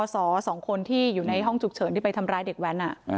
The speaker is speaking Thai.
สองคนที่อยู่ในห้องฉุกเฉินที่ไปทำร้ายเด็กแว้น